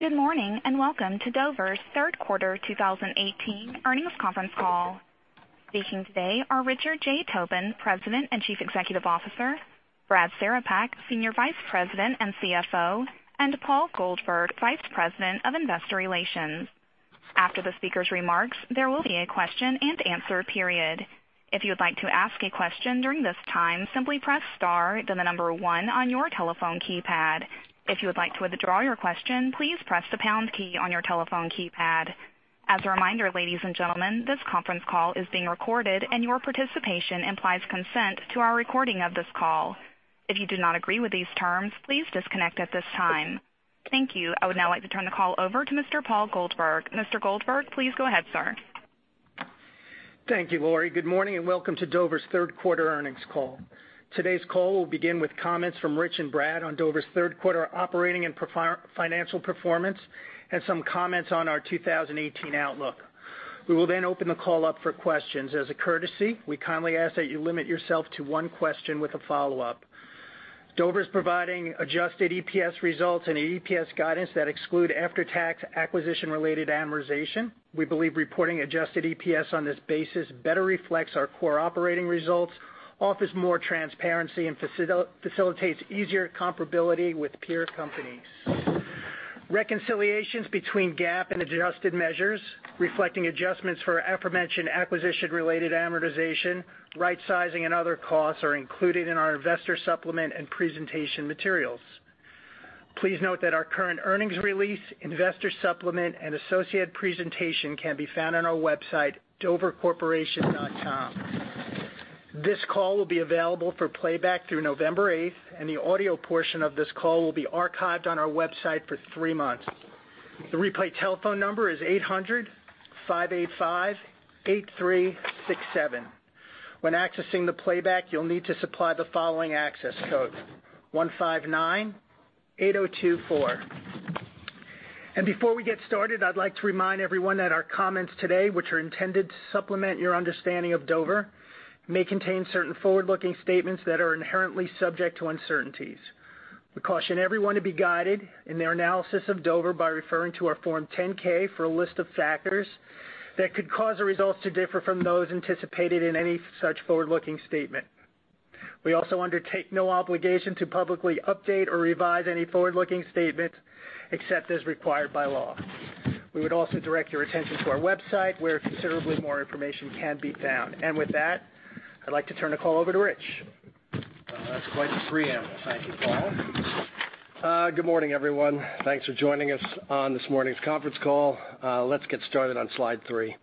Good morning, welcome to Dover's third quarter 2018 earnings conference call. Speaking today are Richard J. Tobin, President and Chief Executive Officer, Brad Cerepak, Senior Vice President and CFO, and Paul Goldberg, Vice President of Investor Relations. After the speakers' remarks, there will be a question-and-answer period. If you would like to ask a question during this time, simply press star then the number 1 on your telephone keypad. If you would like to withdraw your question, please press the pound key on your telephone keypad. As a reminder, ladies and gentlemen, this conference call is being recorded, and your participation implies consent to our recording of this call. If you do not agree with these terms, please disconnect at this time. Thank you. I would now like to turn the call over to Mr. Paul Goldberg. Mr. Goldberg, please go ahead, sir. Thank you, Laurie. Good morning, welcome to Dover's third quarter earnings call. Today's call will begin with comments from Rich and Brad on Dover's third quarter operating and financial performance, and some comments on our 2018 outlook. We will then open the call up for questions. As a courtesy, we kindly ask that you limit yourself to one question with a follow-up. Dover is providing adjusted EPS results and EPS guidance that exclude after-tax acquisition-related amortization. We believe reporting adjusted EPS on this basis better reflects our core operating results, offers more transparency, and facilitates easier comparability with peer companies. Reconciliations between GAAP and adjusted measures, reflecting adjustments for aforementioned acquisition-related amortization, rightsizing, and other costs are included in our investor supplement and presentation materials. Please note that our current earnings release, investor supplement, and associated presentation can be found on our website, dovercorporation.com. This call will be available for playback through November 8th, and the audio portion of this call will be archived on our website for three months. The replay telephone number is 800-585-8367. When accessing the playback, you'll need to supply the following access code, 1598024. Before we get started, I'd like to remind everyone that our comments today, which are intended to supplement your understanding of Dover, may contain certain forward-looking statements that are inherently subject to uncertainties. We caution everyone to be guided in their analysis of Dover by referring to our Form 10-K for a list of factors that could cause our results to differ from those anticipated in any such forward-looking statement. We also undertake no obligation to publicly update or revise any forward-looking statements, except as required by law. We would also direct your attention to our website, where considerably more information can be found. With that, I'd like to turn the call over to Rich. That's quite the preamble. Thank you, Paul. Good morning, everyone. Thanks for joining us on this morning's conference call. Let's get started on slide three.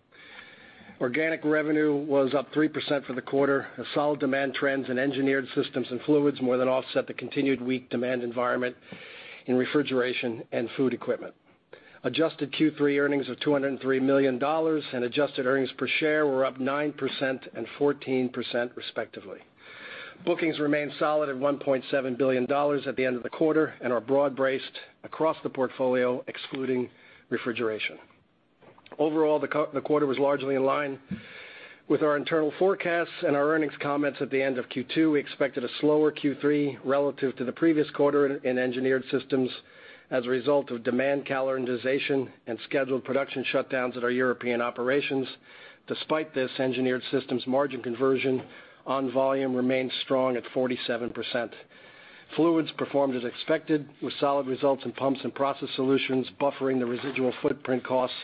Organic revenue was up 3% for the quarter, as solid demand trends in Engineered Systems and Fluids more than offset the continued weak demand environment in Refrigeration & Food Equipment. Adjusted Q3 earnings of $203 million and adjusted EPS were up 9% and 14% respectively. Bookings remained solid at $1.7 billion at the end of the quarter and are broad-braced across the portfolio, excluding Refrigeration. Overall, the quarter was largely in line with our internal forecasts and our earnings comments at the end of Q2. We expected a slower Q3 relative to the previous quarter in Engineered Systems as a result of demand calendarization and scheduled production shutdowns at our European operations. Despite this, Engineered Systems margin conversion on volume remained strong at 47%. Fluids performed as expected with solid results in Pumps & Process Solutions buffering the residual footprint costs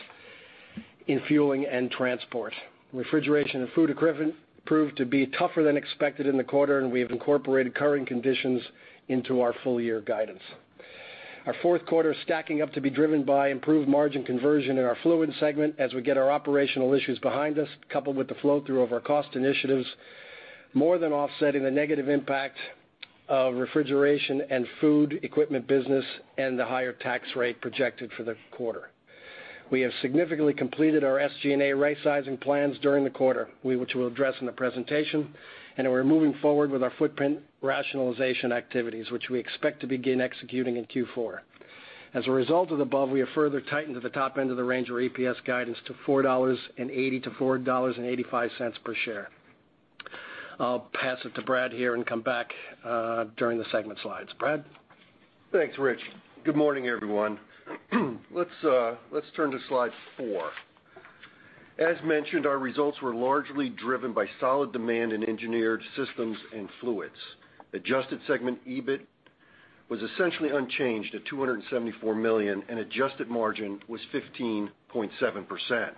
in fueling and transport. Refrigeration & Food Equipment proved to be tougher than expected in the quarter. We have incorporated current conditions into our full-year guidance. Our fourth quarter is stacking up to be driven by improved margin conversion in our Fluids segment as we get our operational issues behind us, coupled with the flow-through of our cost initiatives, more than offsetting the negative impact of Refrigeration & Food Equipment business and the higher tax rate projected for the quarter. We have significantly completed our SG&A rightsizing plans during the quarter, which we'll address in the presentation. We're moving forward with our footprint rationalization activities, which we expect to begin executing in Q4. As a result of the above, we have further tightened the top end of the range of our EPS guidance to $4.80-$4.85 per share. I'll pass it to Brad here and come back during the segment slides. Brad? Thanks, Rich. Good morning, everyone. Let's turn to slide four. As mentioned, our results were largely driven by solid demand in Engineered Systems and Fluids. Adjusted segment EBIT was essentially unchanged at $274 million, and adjusted margin was 15.7%.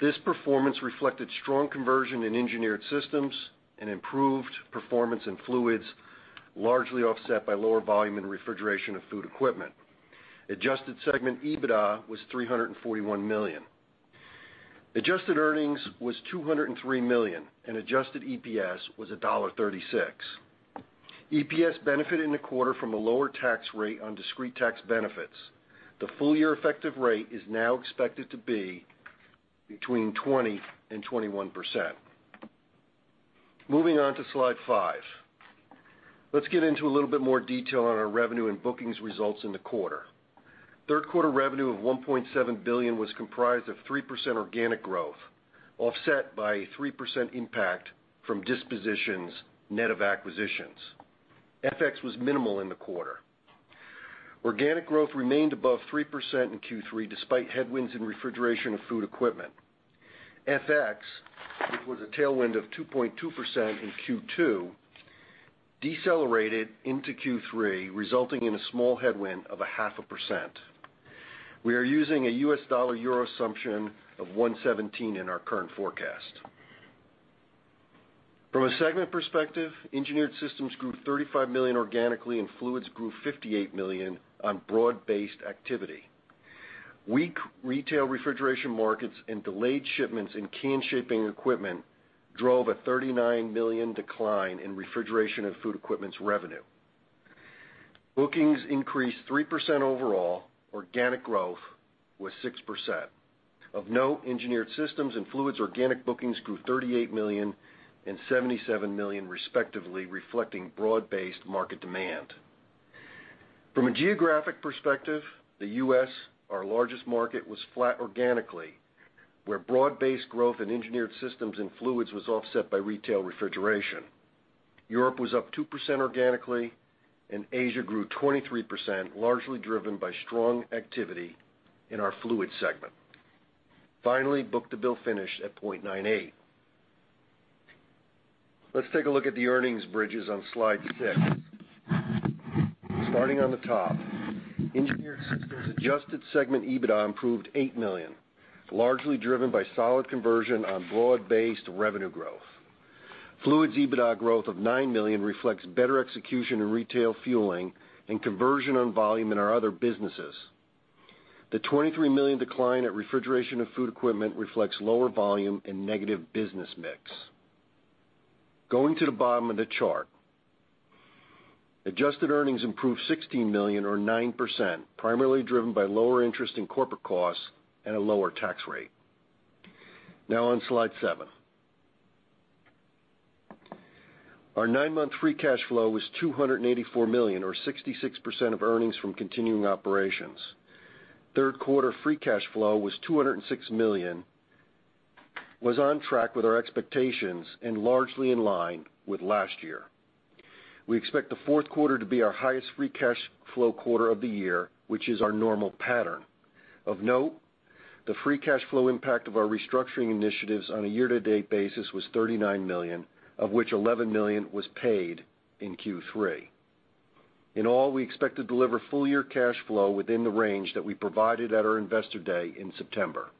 This performance reflected strong conversion in Engineered Systems and improved performance in Fluids, largely offset by lower volume in Refrigeration & Food Equipment. Adjusted segment EBITDA was $341 million. Adjusted earnings was $203 million, and adjusted EPS was $1.36. EPS benefited in the quarter from a lower tax rate on discrete tax benefits. The full-year effective rate is now expected to be between 20% and 21%. Moving on to slide five. Let's get into a little bit more detail on our revenue and bookings results in the quarter. Third quarter revenue of $1.7 billion was comprised of 3% organic growth, offset by a 3% impact from dispositions, net of acquisitions. FX was minimal in the quarter. Organic growth remained above 3% in Q3, despite headwinds in Refrigeration & Food Equipment. FX, which was a tailwind of 2.2% in Q2, decelerated into Q3, resulting in a small headwind of a half a percent. We are using a USD-EUR assumption of 117 in our current forecast. From a segment perspective, Engineered Systems grew $35 million organically, and Fluids grew $58 million on broad-based activity. Weak retail refrigeration markets and delayed shipments in can-shaping equipment drove a $39 million decline in Refrigeration & Food Equipment's revenue. Bookings increased 3% overall. Organic growth was 6%. Of note, Engineered Systems and Fluids organic bookings grew $38 million and $77 million respectively, reflecting broad-based market demand. From a geographic perspective, the U.S., our largest market, was flat organically, where broad-based growth in Engineered Systems and Fluids was offset by retail refrigeration. Europe was up 2% organically, Asia grew 23%, largely driven by strong activity in our Fluids segment. Finally, book-to-bill finished at 0.98. Let's take a look at the earnings bridges on slide six. Starting on the top, Engineered Systems adjusted segment EBITDA improved $8 million, largely driven by solid conversion on broad-based revenue growth. Fluids EBITDA growth of $9 million reflects better execution in retail fueling and conversion on volume in our other businesses. The $23 million decline at Refrigeration & Food Equipment reflects lower volume and negative business mix. Going to the bottom of the chart, adjusted earnings improved $16 million or 9%, primarily driven by lower interest in corporate costs and a lower tax rate. Now on slide seven. Our nine-month free cash flow was $284 million, or 66% of earnings from continuing operations. Third-quarter free cash flow was $206 million, was on track with our expectations, and largely in line with last year. We expect the fourth quarter to be our highest free cash flow quarter of the year, which is our normal pattern. Of note, the free cash flow impact of our restructuring initiatives on a year-to-date basis was $39 million, of which $11 million was paid in Q3. In all, we expect to deliver full-year cash flow within the range that we provided at our investor day in September.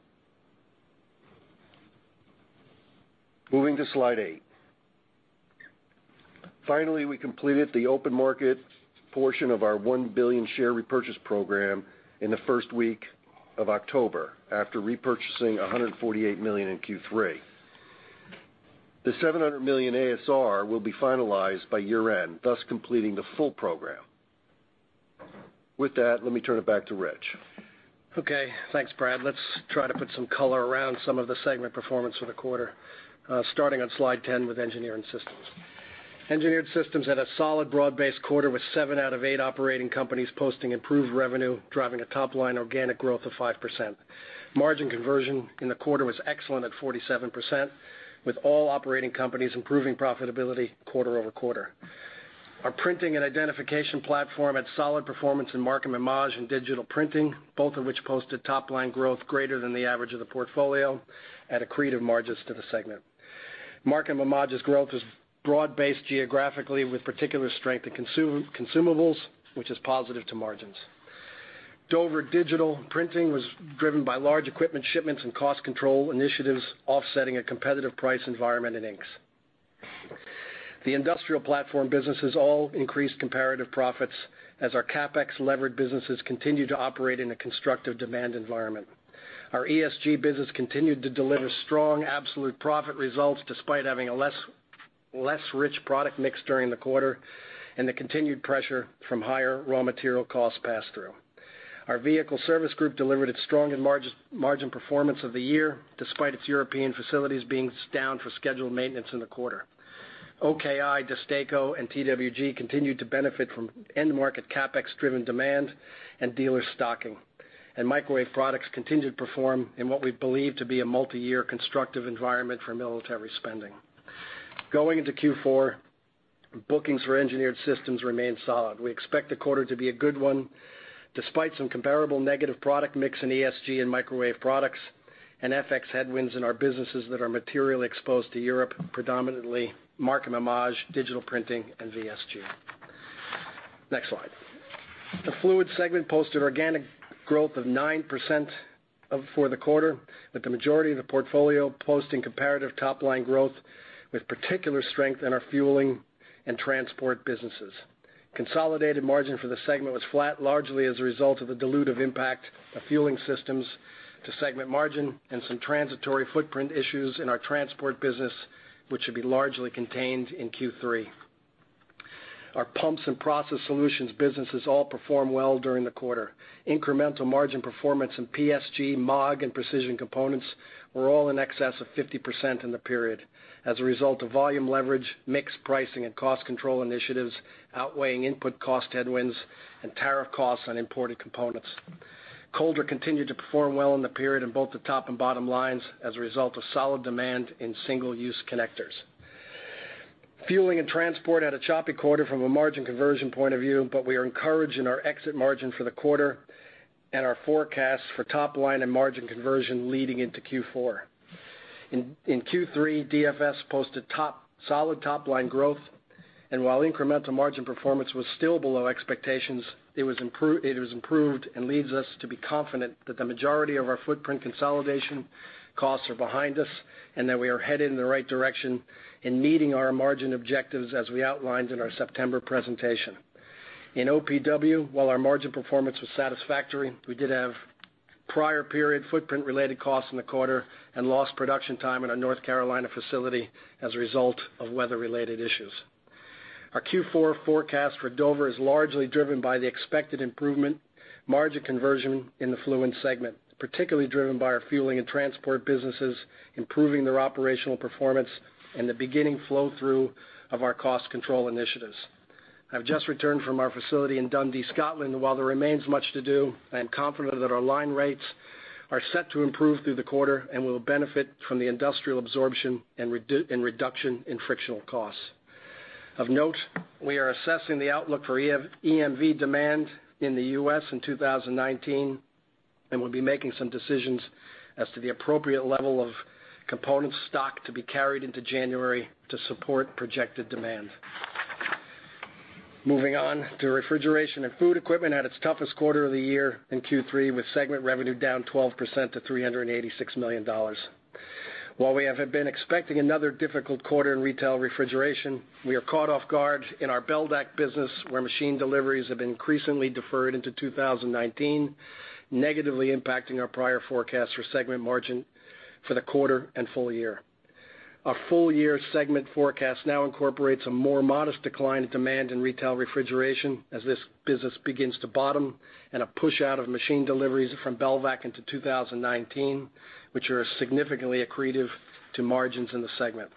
Moving to slide eight. Finally, we completed the open market portion of our $1 billion share repurchase program in the first week of October, after repurchasing $148 million in Q3. The $700 million ASR will be finalized by year-end, thus completing the full program. With that, let me turn it back to Rich. Okay, thanks, Brad. Let's try to put some color around some of the segment performance for the quarter. Starting on slide 10 with Engineered Systems. Engineered Systems had a solid broad-based quarter with seven out of eight operating companies posting improved revenue, driving a top-line organic growth of 5%. Margin conversion in the quarter was excellent at 47%, with all operating companies improving profitability quarter-over-quarter. Our Imaging & Identification platform had solid performance in Markem-Imaje and Dover Digital Printing, both of which posted top-line growth greater than the average of the portfolio at accretive margins to the segment. Markem-Imaje's growth was broad based geographically, with particular strength in consumables, which is positive to margins. Dover Digital Printing was driven by large equipment shipments and cost control initiatives offsetting a competitive price environment in inks. The industrial platform businesses all increased comparative profits as our CapEx-levered businesses continue to operate in a constructive demand environment. Our ESG business continued to deliver strong absolute profit results despite having a less rich product mix during the quarter and the continued pressure from higher raw material costs passed through. Our Vehicle Service Group delivered its strong in margin performance of the year, despite its European facilities being down for scheduled maintenance in the quarter. OKI, DESTACO, and TWG continued to benefit from end-market CapEx-driven demand and dealer stocking. Microwave Products continued to perform in what we believe to be a multiyear constructive environment for military spending. Going into Q4, bookings for Engineered Systems remain solid. We expect the quarter to be a good one despite some comparable negative product mix in ESG and Microwave Products and FX headwinds in our businesses that are materially exposed to Europe, predominantly Markem-Imaje, Digital Printing, and VSG. Next slide. The Fluids segment posted organic growth of 9% for the quarter, with the majority of the portfolio posting comparative top-line growth with particular strength in our fueling and transport businesses. Consolidated margin for the segment was flat, largely as a result of the dilutive impact of fueling systems to segment margin and some transitory footprint issues in our transport business, which should be largely contained in Q3. Our pumps and process solutions businesses all performed well during the quarter. Incremental margin performance in PSG, Maag, and Precision Components were all in excess of 50% in the period as a result of volume leverage, mix pricing, and cost control initiatives outweighing input cost headwinds and tariff costs on imported components. Colder continued to perform well in the period in both the top and bottom lines as a result of solid demand in single-use connectors. Fueling and transport had a choppy quarter from a margin conversion point of view, but we are encouraged in our exit margin for the quarter and our forecast for top line and margin conversion leading into Q4. In Q3, DFS posted solid top-line growth, and while incremental margin performance was still below expectations, it has improved and leads us to be confident that the majority of our footprint consolidation costs are behind us and that we are headed in the right direction in meeting our margin objectives as we outlined in our September presentation. In OPW, while our margin performance was satisfactory, we did have prior period footprint-related costs in the quarter and lost production time in our North Carolina facility as a result of weather-related issues. Our Q4 forecast for Dover is largely driven by the expected improvement margin conversion in the Fluids segment, particularly driven by our fueling and transport businesses, improving their operational performance, and the beginning flow-through of our cost control initiatives. I've just returned from our facility in Dundee, Scotland, and while there remains much to do, I am confident that our line rates are set to improve through the quarter and will benefit from the industrial absorption and reduction in frictional costs. Of note, we are assessing the outlook for EMV demand in the U.S. in 2019, and we'll be making some decisions as to the appropriate level of component stock to be carried into January to support projected demand. Moving on to Refrigeration & Food Equipment had its toughest quarter of the year in Q3, with segment revenue down 12% to $386 million. While we have been expecting another difficult quarter in retail refrigeration, we are caught off guard in our Belvac business where machine deliveries have been increasingly deferred into 2019, negatively impacting our prior forecast for segment margin for the quarter and full year. Our full-year segment forecast now incorporates a more modest decline in demand in retail refrigeration as this business begins to bottom, and a push out of machine deliveries from Belvac into 2019, which are significantly accretive to margins in the segment.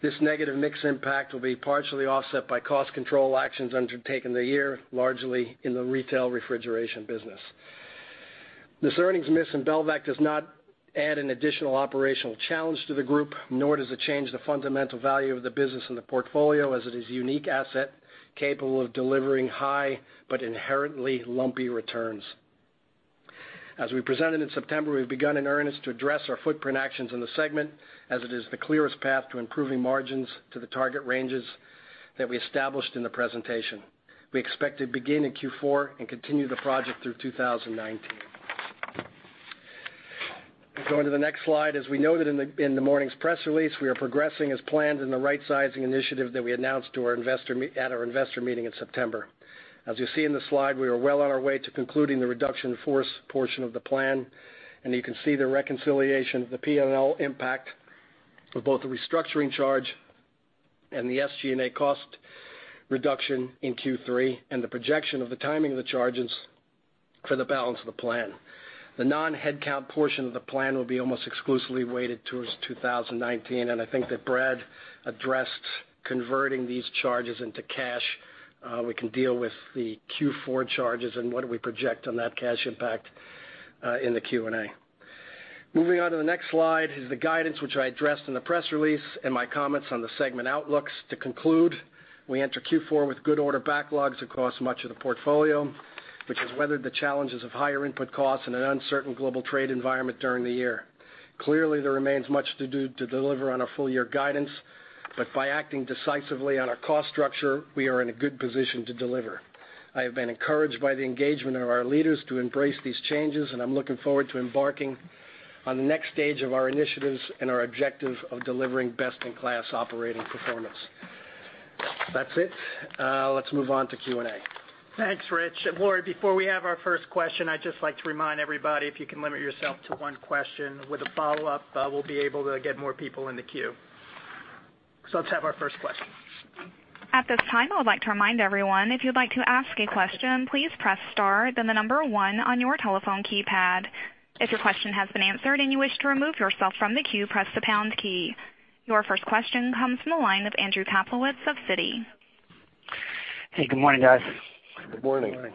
This negative mix impact will be partially offset by cost control actions undertaken in the year, largely in the retail refrigeration business. This earnings miss in Belvac does not add an additional operational challenge to the group, nor does it change the fundamental value of the business in the portfolio, as it is a unique asset capable of delivering high but inherently lumpy returns. As we presented in September, we've begun in earnest to address our footprint actions in the segment, as it is the clearest path to improving margins to the target ranges that we established in the presentation. We expect to begin in Q4 and continue the project through 2019. Going to the next slide. As we noted in the morning's press release, we are progressing as planned in the rightsizing initiative that we announced at our investor meeting in September. As you see in the slide, we are well on our way to concluding the reduction force portion of the plan, and you can see the reconciliation of the P&L impact of both the restructuring charge and the SG&A cost reduction in Q3 and the projection of the timing of the charges for the balance of the plan. The non-headcount portion of the plan will be almost exclusively weighted towards 2019, and I think that Brad addressed converting these charges into cash. We can deal with the Q4 charges and what do we project on that cash impact in the Q&A. Moving on to the next slide is the guidance which I addressed in the press release and my comments on the segment outlooks. To conclude, we enter Q4 with good order backlogs across much of the portfolio, which has weathered the challenges of higher input costs in an uncertain global trade environment during the year. Clearly, there remains much to do to deliver on our full-year guidance, but by acting decisively on our cost structure, we are in a good position to deliver. I have been encouraged by the engagement of our leaders to embrace these changes, and I'm looking forward to embarking on the next stage of our initiatives and our objective of delivering best-in-class operating performance. That's it. Let's move on to Q&A. Thanks, Rich. Laurie, before we have our first question, I'd just like to remind everybody, if you can limit yourself to one question with a follow-up, we'll be able to get more people in the queue. Let's have our first question. At this time, I would like to remind everyone, if you'd like to ask a question, please press star, then the number one on your telephone keypad. If your question has been answered and you wish to remove yourself from the queue, press the pound key. Your first question comes from the line of Andrew Kaplowitz of Citi. Hey, good morning, guys. Good morning.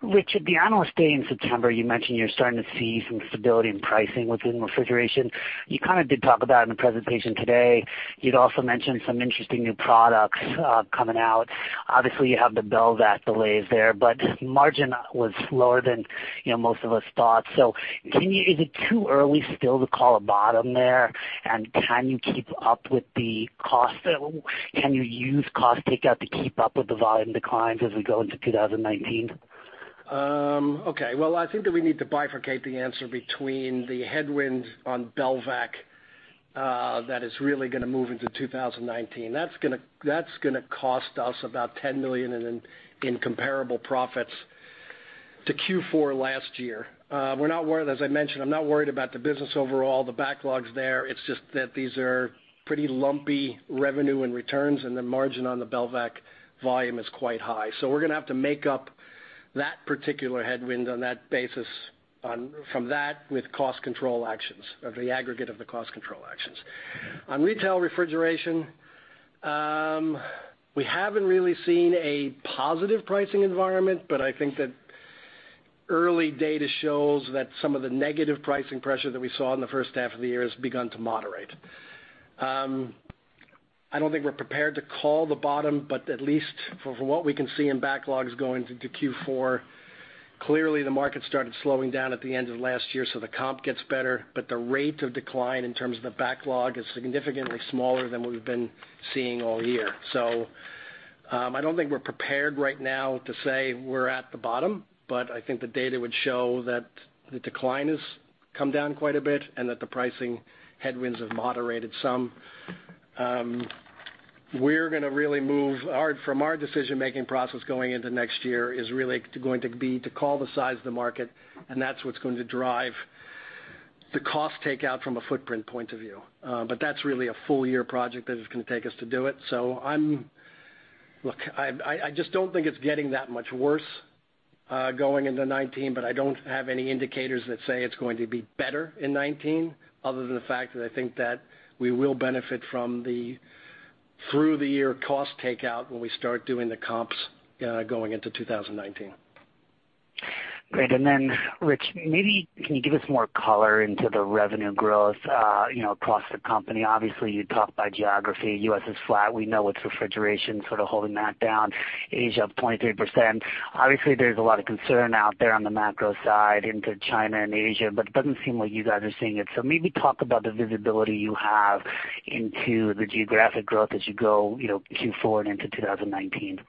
Good morning. Rich, at the Analyst Day in September, you mentioned you're starting to see some stability in pricing within refrigeration. You kind of did talk about it in the presentation today. You'd also mentioned some interesting new products coming out. Obviously, you have the Belvac delays there, but margin was slower than most of us thought. Is it too early still to call a bottom there? Can you use cost takeout to keep up with the volume declines as we go into 2019? Okay. Well, I think that we need to bifurcate the answer between the headwinds on Belvac that is really going to move into 2019. That's going to cost us about $10 million in comparable profits to Q4 last year. As I mentioned, I'm not worried about the business overall, the backlog's there. It's just that these are pretty lumpy revenue and returns, and the margin on the Belvac volume is quite high. We're going to have to make up that particular headwind on that basis from that with cost control actions, or the aggregate of the cost control actions. On retail refrigeration, we haven't really seen a positive pricing environment, but I think that early data shows that some of the negative pricing pressure that we saw in the first half of the year has begun to moderate. I don't think we're prepared to call the bottom, but at least for what we can see in backlogs going into Q4, clearly the market started slowing down at the end of last year, so the comp gets better, but the rate of decline in terms of the backlog is significantly smaller than what we've been seeing all year. I don't think we're prepared right now to say we're at the bottom, but I think the data would show that the decline has come down quite a bit, and that the pricing headwinds have moderated some. From our decision-making process going into next year is really going to be to call the size of the market, and that's what's going to drive the cost takeout from a footprint point of view. That's really a full-year project that it's going to take us to do it. Look, I just don't think it's getting that much worse, going into 2019, I don't have any indicators that say it's going to be better in 2019, other than the fact that I think that we will benefit from the through-the-year cost takeout when we start doing the comps going into 2019. Great. Rich, maybe can you give us more color into the revenue growth across the company? Obviously, you talk by geography. U.S. is flat. We know it's Refrigeration sort of holding that down. Asia up 23%. Obviously, there's a lot of concern out there on the macro side into China and Asia, it doesn't seem like you guys are seeing it. Maybe talk about the visibility you have into the geographic growth as you go Q forward into 2019.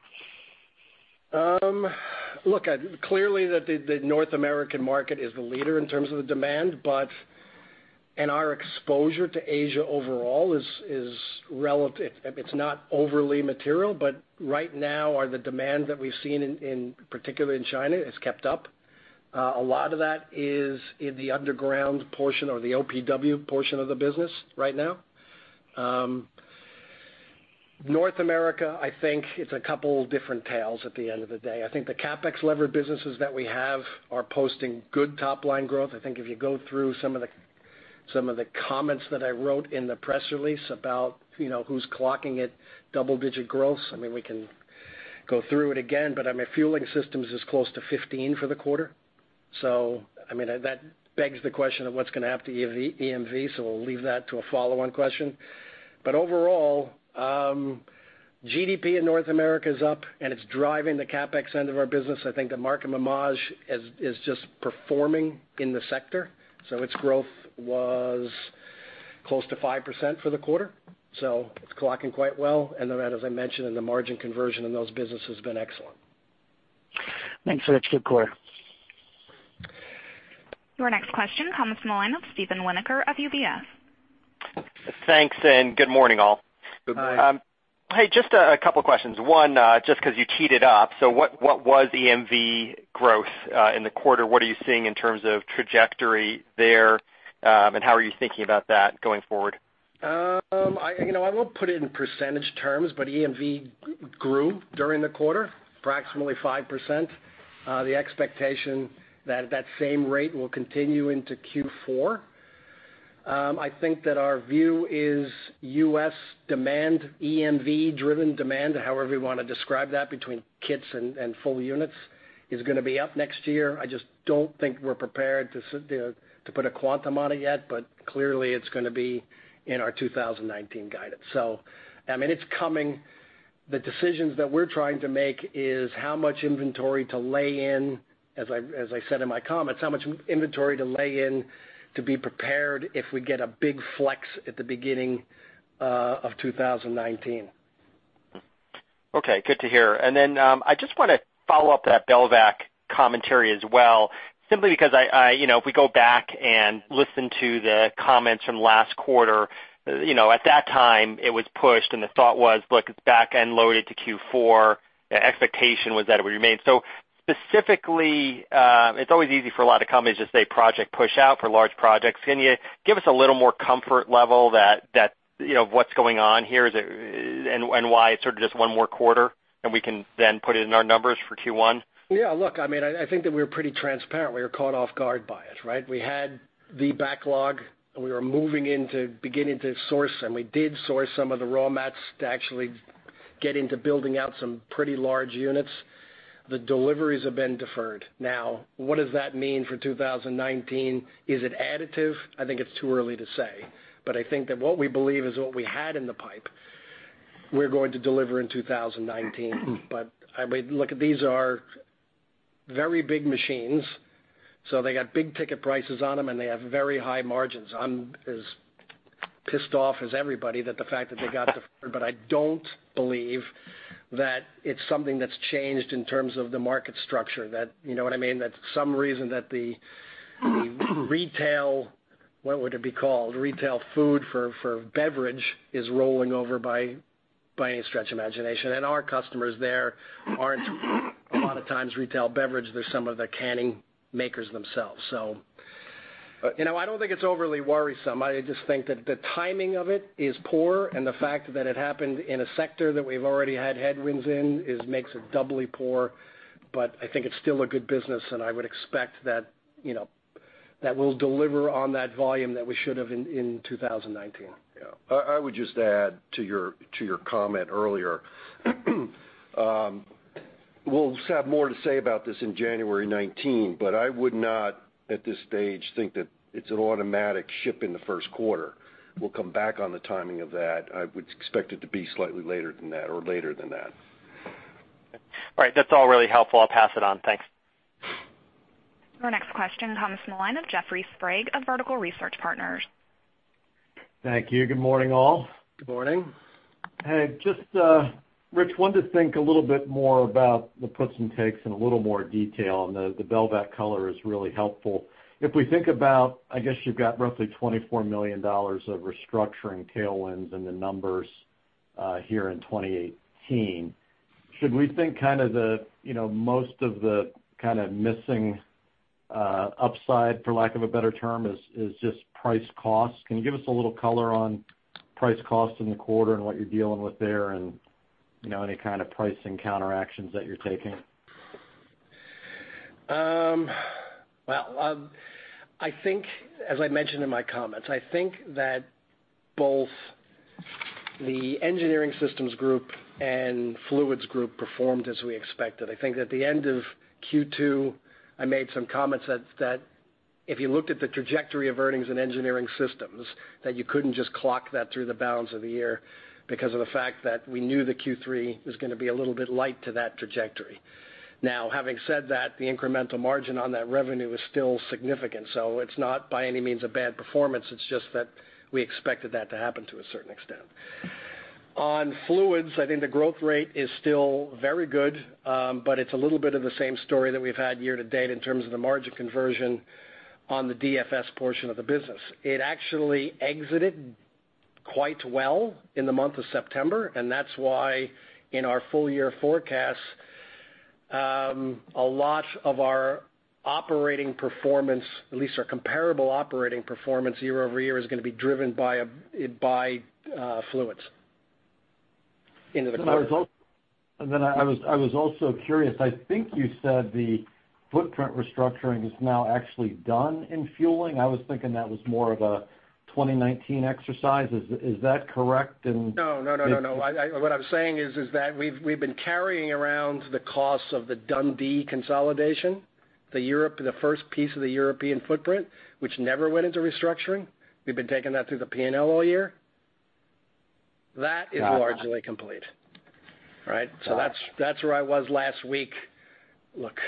Look, clearly the North American market is the leader in terms of the demand, our exposure to Asia overall is relative. It's not overly material, right now, the demand that we've seen in particular in China, has kept up. A lot of that is in the underground portion or the OPW portion of the business right now. North America, I think it's a couple different tales at the end of the day. I think the CapEx-levered businesses that we have are posting good top-line growth. I think if you go through some of the comments that I wrote in the press release about who's clocking at double-digit growth. We can go through it again, Dover Fueling Solutions is close to 15 for the quarter. That begs the question of what's going to happen to EMV, we'll leave that to a follow-on question. Overall, GDP in North America is up, and it's driving the CapEx end of our business. I think that Markem-Imaje is just performing in the sector. Its growth was close to 5% for the quarter. It's clocking quite well. As I mentioned in the margin conversion in those businesses has been excellent. Thanks, Rich. Good color. Your next question comes from the line of Steve Winoker of UBS. Thanks, good morning, all. Good morning. Hi. Hey, just a couple of questions. One, just because you teed it up, what was EMV growth in the quarter? What are you seeing in terms of trajectory there? How are you thinking about that going forward? I won't put it in percentage terms, EMV grew during the quarter, approximately 5%. The expectation that same rate will continue into Q4. Our view is U.S. demand, EMV-driven demand, however you want to describe that between kits and full units, is going to be up next year. I just don't think we're prepared to put a quantum on it yet, clearly it's going to be in our 2019 guidance. It's coming. The decisions that we're trying to make is how much inventory to lay in, as I said in my comments, how much inventory to lay in to be prepared if we get a big flex at the beginning of 2019. Okay. Good to hear. I just want to follow up that Belvac commentary as well, simply because if we go back and listen to the comments from last quarter, at that time, it was pushed, the thought was, look, it's back-end loaded to Q4. The expectation was that it would remain. Specifically, it's always easy for a lot of companies to say project push out for large projects. Can you give us a little more comfort level that what's going on here, and why it's sort of just one more quarter, and we can then put it in our numbers for Q1? We were pretty transparent. We were caught off guard by it, right? We had the backlog, we were moving into beginning to source, we did source some of the raw mats to actually get into building out some pretty large units. The deliveries have been deferred. What does that mean for 2019? Is it additive? It's too early to say. What we believe is what we had in the pipe, we're going to deliver in 2019. These are very big machines, they got big ticket prices on them, and they have very high margins. I'm as pissed off as everybody that the fact that they got deferred, I don't believe that it's something that's changed in terms of the market structure. You know what I mean? Some reason that the retail, what would it be called, retail food for beverage is rolling over by any stretch imagination. Our customers there aren't a lot of times retail beverage. They're some of the canning makers themselves. I don't think it's overly worrisome. I just think that the timing of it is poor, and the fact that it happened in a sector that we've already had headwinds in makes it doubly poor. I think it's still a good business, and I would expect that will deliver on that volume that we should have in 2019. Yeah. I would just add to your comment earlier. We'll have more to say about this in January 2019, I would not, at this stage, think that it's an automatic ship in the first quarter. We'll come back on the timing of that. I would expect it to be slightly later than that or later than that. Okay. All right. That's all really helpful. I'll pass it on. Thanks. Our next question comes from the line of Jeffrey Sprague of Vertical Research Partners. Thank you. Good morning, all. Good morning. Rich, wanted to think a little bit more about the puts and takes in a little more detail, and the Belvac color is really helpful. If we think about, I guess you've got roughly $24 million of restructuring tailwinds in the numbers here in 2018. Should we think kind of the most of the kind of missing upside, for lack of a better term, is just price cost? Can you give us a little color on price cost in the quarter and what you're dealing with there and any kind of pricing counteractions that you're taking? Well, I think, as I mentioned in my comments, I think that both the Engineered Systems group and Fluids group performed as we expected. I think at the end of Q2, I made some comments that if you looked at the trajectory of earnings in Engineered Systems, that you couldn't just clock that through the balance of the year because of the fact that we knew the Q3 was going to be a little bit light to that trajectory. Having said that, the incremental margin on that revenue is still significant. It's not by any means a bad performance, it's just that we expected that to happen to a certain extent. On Fluids, I think the growth rate is still very good, but it's a little bit of the same story that we've had year-to-date in terms of the margin conversion on the DFS portion of the business. It actually exited quite well in the month of September, and that's why, in our full year forecast, a lot of our operating performance, at least our comparable operating performance year-over-year, is going to be driven by Fluids into the quarter. I was also curious, I think you said the footprint restructuring is now actually done in fueling. I was thinking that was more of a 2019 exercise. Is that correct? No. What I'm saying is that we've been carrying around the cost of the Dundee consolidation, the first piece of the European footprint, which never went into restructuring. We've been taking that through the P&L all year. That is largely complete. All right? That's where I was last week. Look,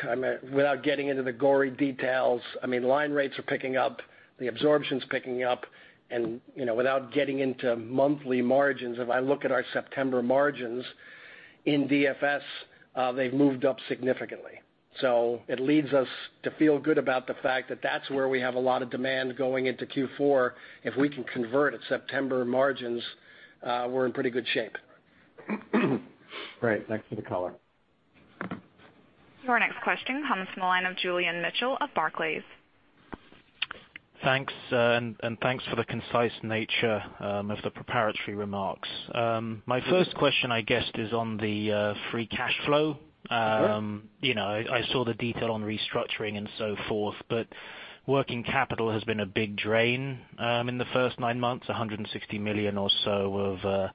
without getting into the gory details, line rates are picking up, the absorption's picking up, and without getting into monthly margins, if I look at our September margins in DFS, they've moved up significantly. It leads us to feel good about the fact that that's where we have a lot of demand going into Q4. If we can convert at September margins, we're in pretty good shape. Great. Thanks for the color. Our next question comes from the line of Julian Mitchell of Barclays. Thanks, thanks for the concise nature of the preparatory remarks. My first question, I guess, is on the free cash flow. Sure. I saw the detail on restructuring and so forth, working capital has been a big drain in the first nine months, $160 million or so of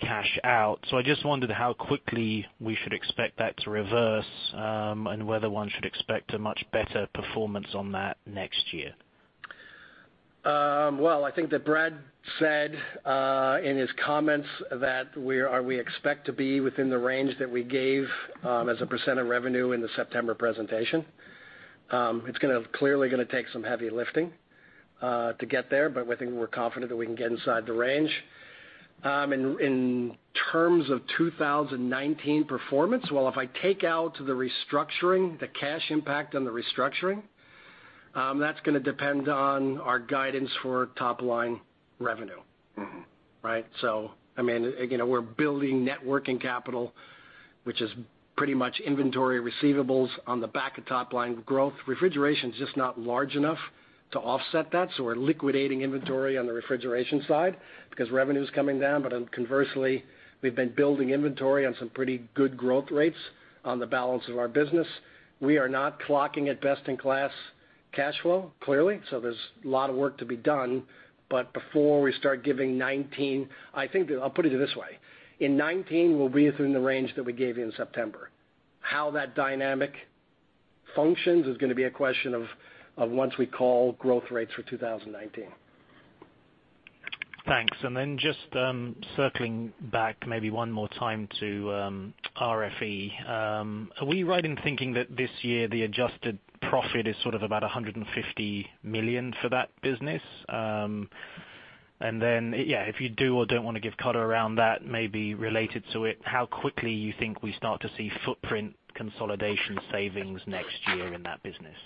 cash out. I just wondered how quickly we should expect that to reverse, and whether one should expect a much better performance on that next year. Well, I think that Brad said in his comments that we expect to be within the range that we gave as a percent of revenue in the September presentation. It's clearly going to take some heavy lifting to get there, but I think we're confident that we can get inside the range. In terms of 2019 performance, well, if I take out the restructuring, the cash impact on the restructuring, that's going to depend on our guidance for top-line revenue. Right. We're building net working capital, which is pretty much inventory receivables on the back of top-line growth. Refrigeration's just not large enough to offset that, so we're liquidating inventory on the refrigeration side because revenue's coming down. Conversely, we've been building inventory on some pretty good growth rates on the balance of our business. We are not clocking at best in class cash flow, clearly. There's a lot of work to be done, but before we start giving 2019, I think I'll put it to you this way. In 2019, we'll be within the range that we gave you in September. How that dynamic functions is gonna be a question of once we call growth rates for 2019. Thanks. Just circling back maybe one more time to RFE. Are we right in thinking that this year the adjusted profit is sort of about $150 million for that business? Yeah, if you do or don't want to give color around that, maybe related to it, how quickly you think we start to see footprint consolidation savings next year in that business?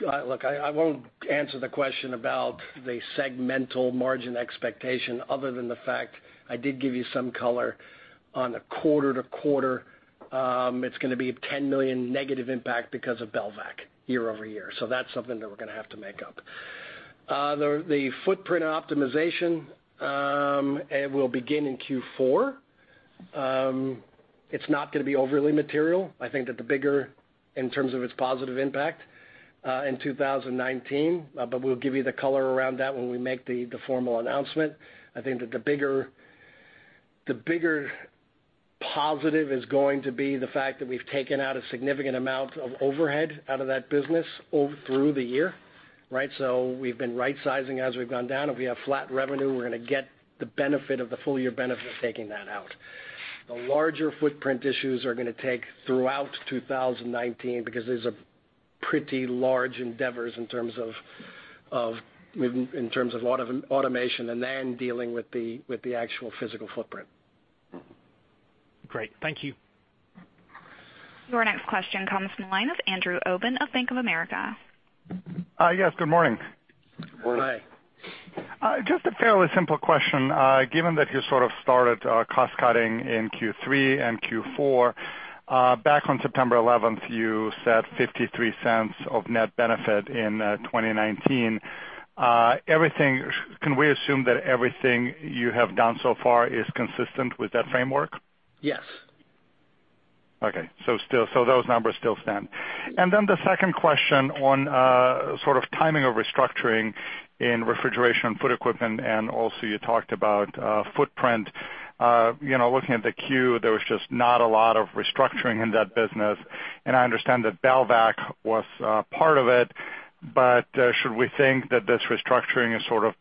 Look, I won't answer the question about the segmental margin expectation other than the fact I did give you some color on a quarter-over-quarter. It's gonna be a $10 million negative impact because of Belvac year-over-year. That's something that we're gonna have to make up. The footprint optimization, it will begin in Q4. It's not going to be overly material. I think that the bigger, in terms of its positive impact, in 2019, but we'll give you the color around that when we make the formal announcement. I think that the bigger positive is going to be the fact that we've taken out a significant amount of overhead out of that business through the year. We've been rightsizing as we've gone down. If we have flat revenue, we're going to get the benefit of the full year benefit of taking that out. The larger footprint issues are going to take throughout 2019 because there's pretty large endeavors in terms of automation, and then dealing with the actual physical footprint. Great. Thank you. Your next question comes from the line of Andrew Obin of Bank of America. Good morning. Morning. Hi. A fairly simple question. Given that you sort of started cost-cutting in Q3 and Q4, back on September 11th, you said $0.53 of net benefit in 2019. Can we assume that everything you have done so far is consistent with that framework? Yes. Okay. Those numbers still stand. The second question on sort of timing of restructuring in Refrigeration & Food Equipment, and also you talked about footprint. Looking at the Q, there was just not a lot of restructuring in that business, and I understand that Belvac was part of it, should we think that this restructuring is sort of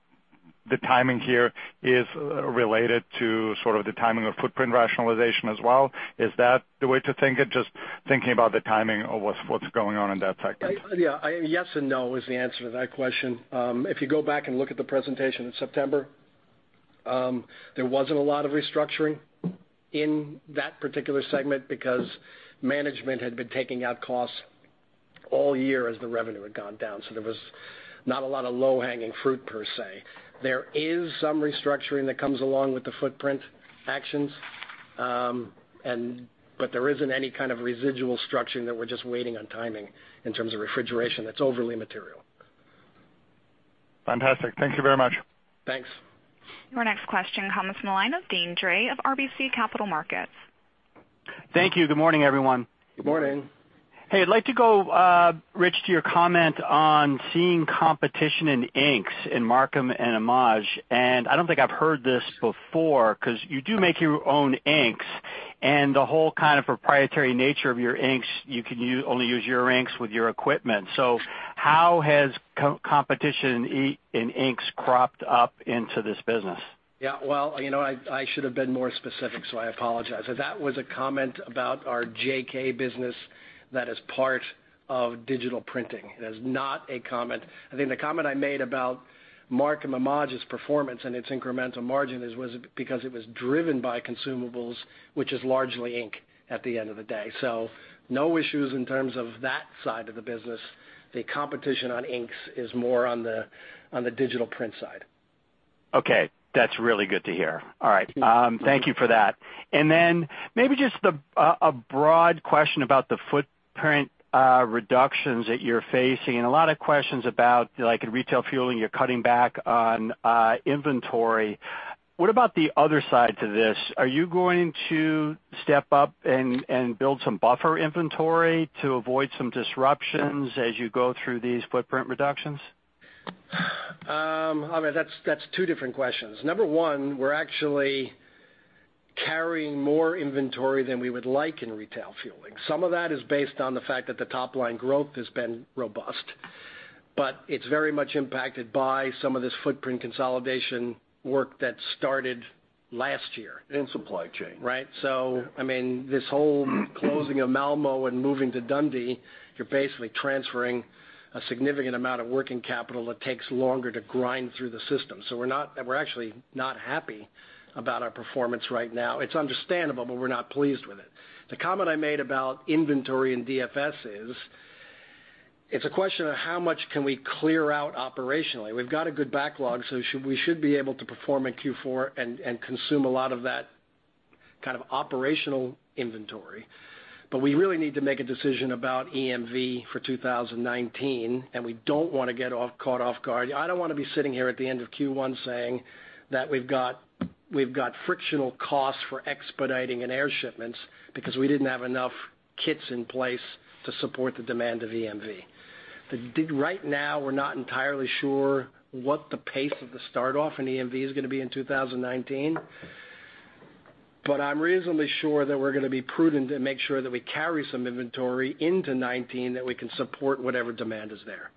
the timing here is related to sort of the timing of footprint rationalization as well? Is that the way to think it, just thinking about the timing of what's going on in that sector? Yes and no is the answer to that question. If you go back and look at the presentation in September, there wasn't a lot of restructuring in that particular segment because management had been taking out costs all year as the revenue had gone down. There was not a lot of low-hanging fruit per se. There is some restructuring that comes along with the footprint actions. There isn't any kind of residual structuring that we're just waiting on timing in terms of refrigeration that's overly material. Fantastic. Thank you very much. Thanks. Your next question comes from the line of Deane Dray of RBC Capital Markets. Thank you. Good morning, everyone. Good morning. Hey, I'd like to go, Rich, to your comment on seeing competition in inks in Markem-Imaje. I don't think I've heard this before, because you do make your own inks, and the whole kind of proprietary nature of your inks, you can only use your inks with your equipment. How has competition in inks cropped up into this business? Yeah. Well, I should have been more specific, I apologize. That was a comment about our JK business that is part of digital printing. It is not a comment. I think the comment I made about Markem-Imaje's performance and its incremental margin is because it was driven by consumables, which is largely ink at the end of the day. No issues in terms of that side of the business. The competition on inks is more on the digital print side. Okay. That's really good to hear. All right. Thank you for that. Then maybe just a broad question about the footprint reductions that you're facing, and a lot of questions about, like in retail fueling, you're cutting back on inventory. What about the other side to this? Are you going to step up and build some buffer inventory to avoid some disruptions as you go through these footprint reductions? That's two different questions. Number one, we're actually carrying more inventory than we would like in retail fueling. Some of that is based on the fact that the top-line growth has been robust, but it's very much impacted by some of this footprint consolidation work that started last year. In supply chain. Right. This whole closing of Malmö and moving to Dundee, you're basically transferring a significant amount of working capital that takes longer to grind through the system. We're actually not happy about our performance right now. It's understandable, but we're not pleased with it. The comment I made about inventory and DFS is, it's a question of how much can we clear out operationally. We've got a good backlog, so we should be able to perform in Q4 and consume a lot of that kind of operational inventory. We really need to make a decision about EMV for 2019, and we don't want to get caught off guard. I don't want to be sitting here at the end of Q1 saying that we've got frictional costs for expediting in air shipments because we didn't have enough kits in place to support the demand of EMV. Right now, we're not entirely sure what the pace of the start off in EMV is going to be in 2019, but I'm reasonably sure that we're going to be prudent and make sure that we carry some inventory into '19 that we can support whatever demand is there.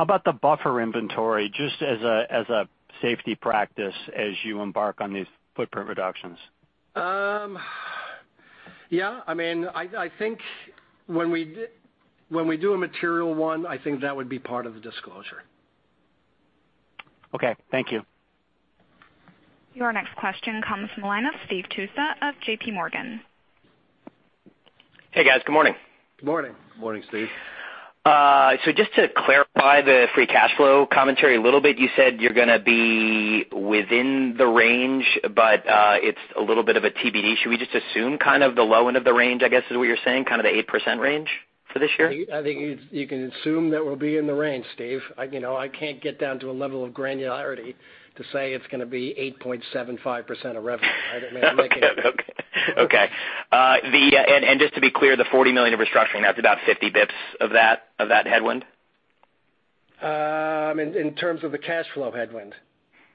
How about the buffer inventory, just as a safety practice as you embark on these footprint reductions? Yeah. I think when we do a material one, I think that would be part of the disclosure. Okay. Thank you. Your next question comes from the line of Steve Tusa of JP Morgan. Hey, guys. Good morning. Good morning. Morning, Steve. Just to clarify the free cash flow commentary a little bit, you said you're going to be within the range, but it's a little bit of a TBD. Should we just assume kind of the low end of the range, I guess, is what you're saying, kind of the 8% range? For this year? I think you can assume that we'll be in the range, Steve. I can't get down to a level of granularity to say it's going to be 8.75% of revenue. I don't make it. Okay. Just to be clear, the $40 million of restructuring, that's about 50 basis points of that headwind? In terms of the cash flow headwind?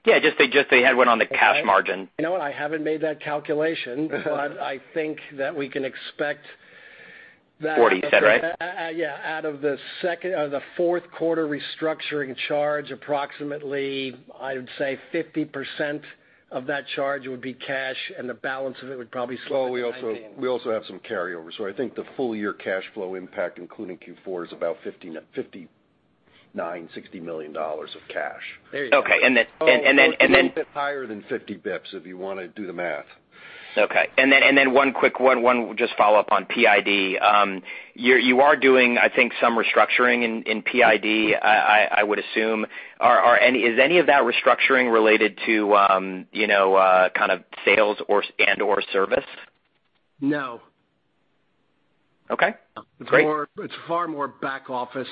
Yeah, just the headwind on the cash margin. You know what? I haven't made that calculation. I think that we can expect that. 40, is that right? Yeah. Out of the fourth quarter restructuring charge, approximately, I would say 50% of that charge would be cash, and the balance of it would probably slip into 2019. We also have some carryover. I think the full year cash flow impact, including Q4, is about $59 million-$60 million of cash. There you go. Okay. A little bit higher than 50 basis points, if you want to do the math. Okay. One quick one, just follow up on Imaging & Identification. You're doing, I think, some restructuring in Imaging & Identification, I would assume. Is any of that restructuring related to kind of sales and/or service? No. Okay. Great. It's far more back office.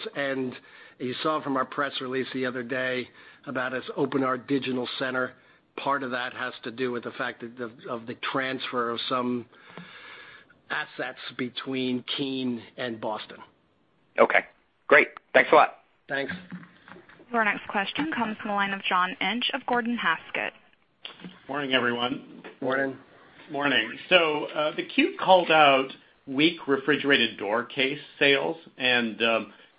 You saw from our press release the other day about us open our digital center. Part of that has to do with the fact of the transfer of some assets between Keene and Boston. Okay, great. Thanks a lot. Thanks. Our next question comes from the line of John Inch of Gordon Haskett. Morning, everyone. Morning. Morning. The Q called out weak refrigerated door case sales, and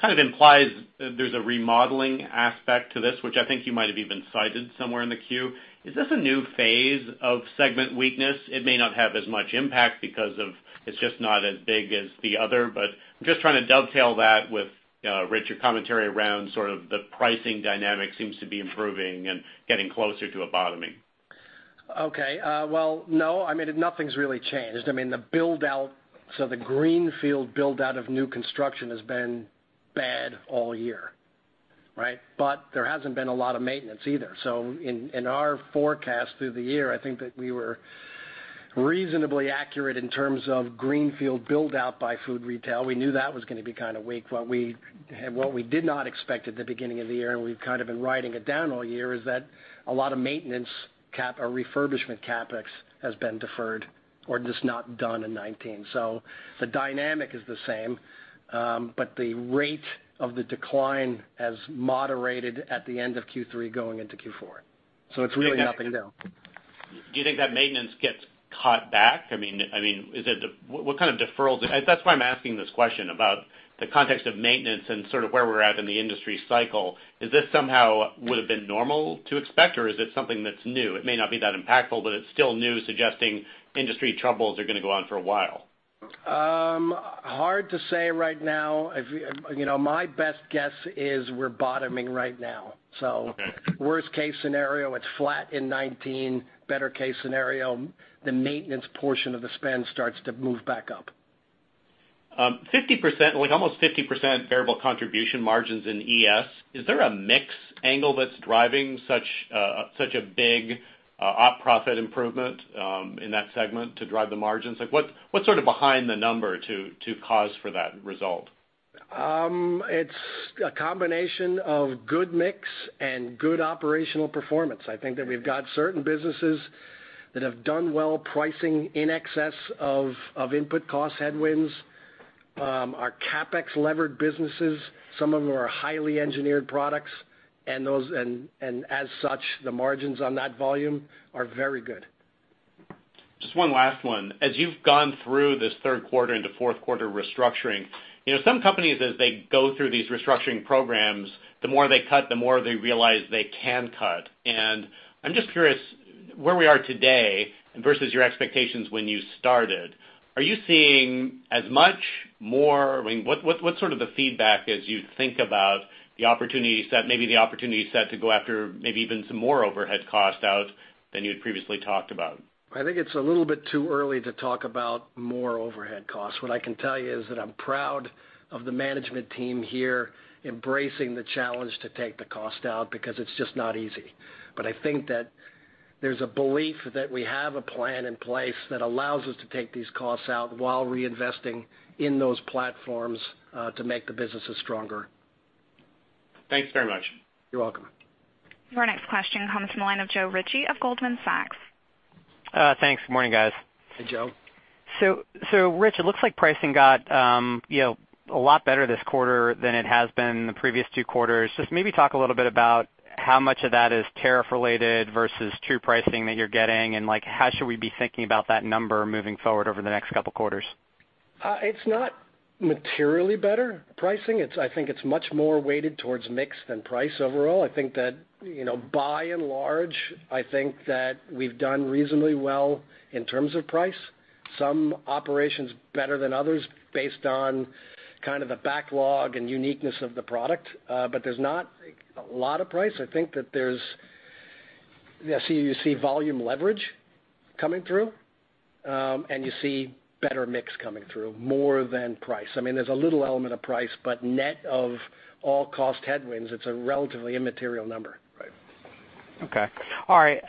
kind of implies there's a remodeling aspect to this, which I think you might have even cited somewhere in the Q. Is this a new phase of segment weakness? It may not have as much impact because it's just not as big as the other, but I'm just trying to dovetail that with Rich, your commentary around sort of the pricing dynamic seems to be improving and getting closer to a bottoming. Okay. Well, no, nothing's really changed. I mean, the greenfield build-out of new construction has been bad all year. Right? There hasn't been a lot of maintenance either. In our forecast through the year, I think that we were reasonably accurate in terms of greenfield build-out by food retail. We knew that was going to be kind of weak. What we did not expect at the beginning of the year, and we've kind of been writing it down all year, is that a lot of maintenance cap or refurbishment CapEx has been deferred or just not done in 2019. The dynamic is the same, but the rate of the decline has moderated at the end of Q3 going into Q4. It's really nothing new. Do you think that maintenance gets cut back? What kind of deferral? That's why I'm asking this question about the context of maintenance and sort of where we're at in the industry cycle. Is this somehow would have been normal to expect, or is it something that's new? It may not be that impactful, but it's still new, suggesting industry troubles are going to go on for a while. Hard to say right now. My best guess is we're bottoming right now. Okay. Worst case scenario, it's flat in 2019. Better case scenario, the maintenance portion of the spend starts to move back up. 50%, like almost 50% variable contribution margins in ES. Is there a mix angle that's driving such a big op profit improvement in that segment to drive the margins? What's sort of behind the number to cause for that result? It's a combination of good mix and good operational performance. I think that we've got certain businesses that have done well pricing in excess of input cost headwinds. Our CapEx-levered businesses, some of them are highly engineered products, and as such, the margins on that volume are very good. Just one last one. As you've gone through this third quarter into fourth quarter restructuring, some companies, as they go through these restructuring programs, the more they cut, the more they realize they can cut. I'm just curious where we are today versus your expectations when you started. Are you seeing as much more? What's sort of the feedback as you think about the opportunity set, maybe the opportunity set to go after maybe even some more overhead cost out than you had previously talked about? I think it's a little bit too early to talk about more overhead costs. What I can tell you is that I'm proud of the management team here embracing the challenge to take the cost out because it's just not easy. I think that there's a belief that we have a plan in place that allows us to take these costs out while reinvesting in those platforms to make the businesses stronger. Thanks very much. You're welcome. Our next question comes from the line of Joe Ritchie of Goldman Sachs. Thanks, good morning, guys. Hey, Joe. Rich, it looks like pricing got a lot better this quarter than it has been the previous two quarters. Just maybe talk a little bit about how much of that is tariff related versus true pricing that you're getting, and how should we be thinking about that number moving forward over the next couple quarters? It's not materially better pricing. I think it's much more weighted towards mix than price overall. I think that by and large, I think that we've done reasonably well in terms of price. Some operations better than others based on kind of the backlog and uniqueness of the product. There's not a lot of price. I think that you see volume leverage coming through, and you see better mix coming through more than price. There's a little element of price, but net of all cost headwinds, it's a relatively immaterial number. Right. Okay. All right.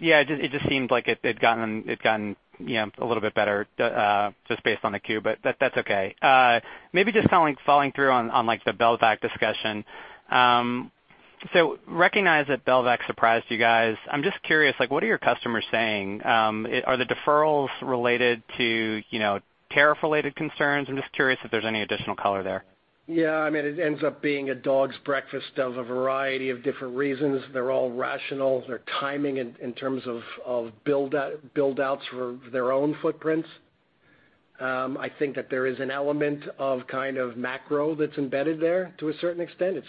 Yeah, it just seemed like it'd gotten a little bit better, just based on the queue, but that's okay. Maybe just following through on the Belvac discussion. Recognize that Belvac surprised you guys. I'm just curious, what are your customers saying? Are the deferrals related to tariff-related concerns? I'm just curious if there's any additional color there. Yeah, it ends up being a dog's breakfast of a variety of different reasons. They're all rational. They're timing in terms of build-outs for their own footprints. I think that there is an element of kind of macro that's embedded there to a certain extent.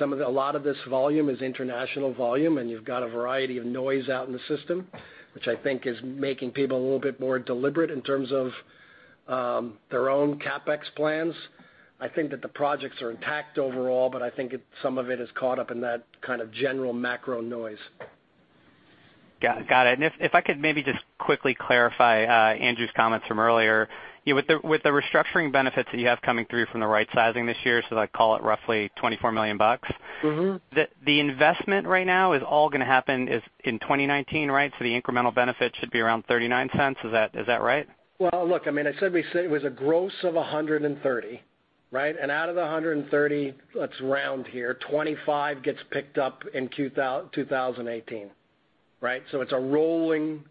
A lot of this volume is international volume, and you've got a variety of noise out in the system, which I think is making people a little bit more deliberate in terms of their own CapEx plans. I think that the projects are intact overall, but I think some of it is caught up in that kind of general macro noise. Got it. If I could maybe just quickly clarify Andrew's comments from earlier. With the restructuring benefits that you have coming through from the right-sizing this year, so I call it roughly 24 million bucks. The investment right now is all going to happen, is in 2019, right? The incremental benefit should be around $0.39. Is that right? Well, look, I said it was a gross of $130, right? Out of the $130, let's round here, $25 gets picked up in 2018, right? It's a rolling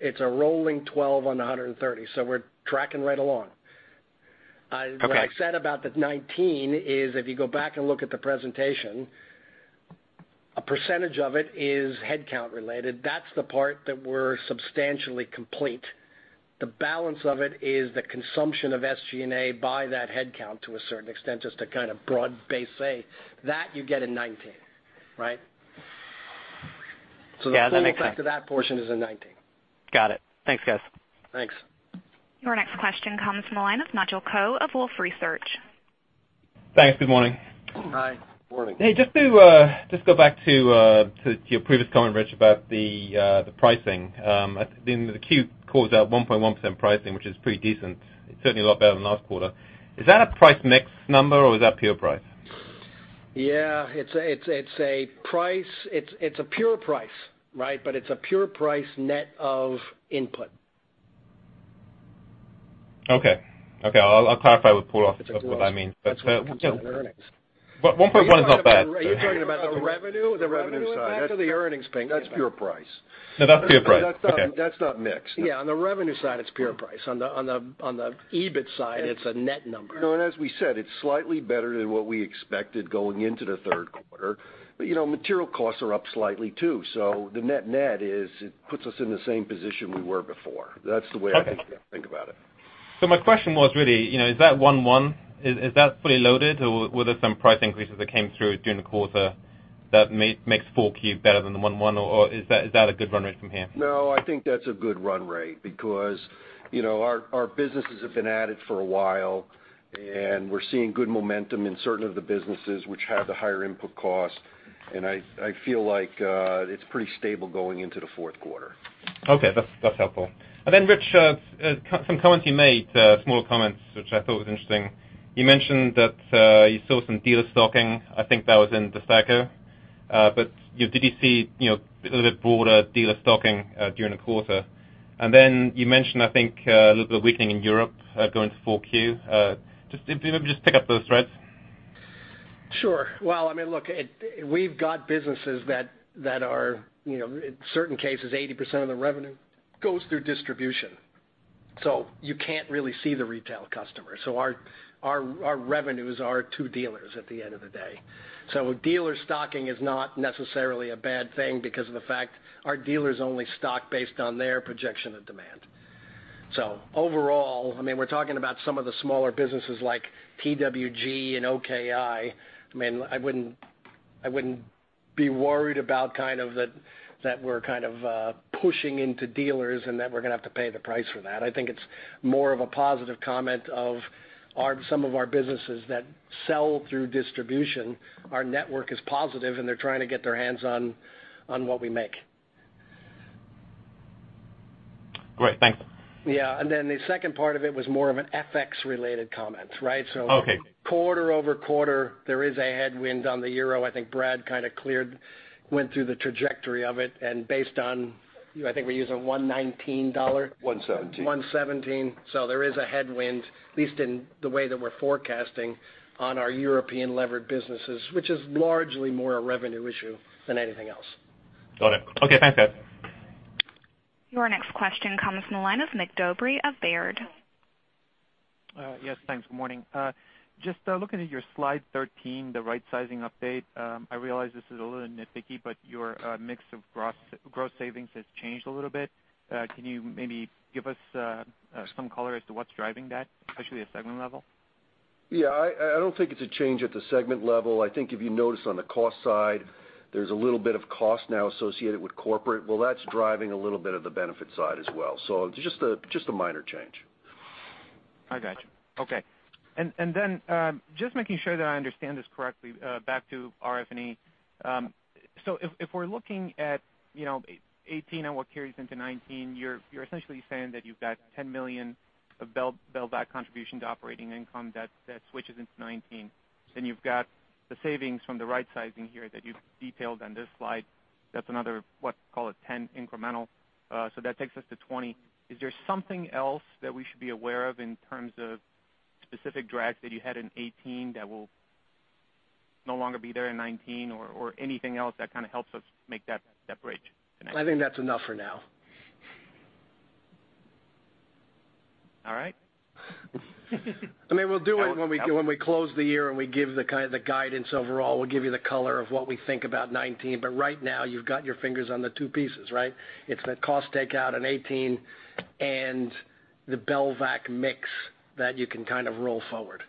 12 on $130. We're tracking right along. Okay. What I said about the 2019 is, if you go back and look at the presentation, a percentage of it is headcount related. That's the part that we're substantially complete. The balance of it is the consumption of SG&A by that headcount to a certain extent, just a kind of broad-based, say, that you get in 2019, right? Yeah, that makes sense. The full effect of that portion is in 2019. Got it. Thanks, guys. Thanks. Your next question comes from the line of Nigel Coe of Wolfe Research. Thanks. Good morning. Hi. Morning. Hey, just to go back to your previous comment, Rich, about the pricing. The Q called out 1.1% pricing, which is pretty decent. It's certainly a lot better than last quarter. Is that a price mix number or is that pure price? Yeah, it's a pure price, right? It's a pure price net of input. Okay. I'll clarify with Paul of what that means. That's what we consider earnings. 1.1 is not bad. You're talking about the revenue? The revenue side. Back to the earnings thing, that's pure price. No, that's pure price. Okay. That's not mix. Yeah, on the revenue side, it's pure price. On the EBIT side, it's a net number. As we said, it's slightly better than what we expected going into the third quarter. Material costs are up slightly, too. The net is, it puts us in the same position we were before. That's the way I think about it. My question was really, is that 1.1, is that fully loaded or were there some price increases that came through during the quarter that makes 4Q better than the 1.1, or is that a good run rate from here? I think that's a good run rate because our businesses have been at it for a while, and we're seeing good momentum in certain of the businesses which have the higher input cost, and I feel like it's pretty stable going into the fourth quarter. That's helpful. Rich, some comments you made, small comments, which I thought was interesting. You mentioned that you saw some dealer stocking. I think that was in DESTACO. Did you see a little bit broader dealer stocking during the quarter? You mentioned, I think, a little bit of weakening in Europe going into 4Q. Just pick up those threads. Sure. Well, look, we've got businesses that are, in certain cases, 80% of the revenue goes through distribution. You can't really see the retail customer. Our revenues are to dealers at the end of the day. Dealer stocking is not necessarily a bad thing because of the fact our dealers only stock based on their projection of demand. Overall, we're talking about some of the smaller businesses like TWG and OKI. I wouldn't be worried about that we're kind of pushing into dealers and that we're going to have to pay the price for that. I think it's more of a positive comment of some of our businesses that sell through distribution. Our network is positive, and they're trying to get their hands on what we make. Great. Thanks. Yeah. Then the second part of it was more of an FX related comment, right? Okay. Quarter-over-quarter, there is a headwind on the euro. I think Brad kind of went through the trajectory of it, and based on, I think we use a $1.19. 1.17. 1.17. There is a headwind, at least in the way that we're forecasting on our European levered businesses, which is largely more a revenue issue than anything else. Got it. Okay. Thanks, guys. Your next question comes from the line of Mig Dobre of Baird. Yes, thanks. Good morning. Just looking at your slide 13, the right sizing update. I realize this is a little nitpicky, but your mix of gross savings has changed a little bit. Can you maybe give us some color as to what's driving that, especially at segment level? Yeah. I don't think it's a change at the segment level. I think if you notice on the cost side, there's a little bit of cost now associated with corporate. Well, that's driving a little bit of the benefit side as well. It's just a minor change. I got you. Okay. Just making sure that I understand this correctly, back to RF&E. If we're looking at 2018 and what carries into 2019, you're essentially saying that you've got $10 million of Belvac contribution to operating income that switches into 2019. You've got the savings from the rightsizing here that you've detailed on this slide. That's another, what, call it $10 million incremental. That takes us to $20 million. Is there something else that we should be aware of in terms of specific drags that you had in 2018 that will no longer be there in 2019 or anything else that kind of helps us make that bridge to next year? I think that's enough for now. All right. I mean, we'll do it when we close the year. We give the guidance overall. We'll give you the color of what we think about 2019. Right now, you've got your fingers on the two pieces, right? It's the cost takeout in 2018 and the Belvac mix that you can kind of roll forward.